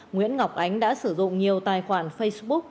nguyễn ngọc ánh đã sử dụng nhiều tài khoản facebook